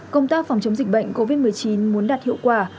công tác phòng chống dịch bệnh covid một mươi chín muốn đạt hiệu quả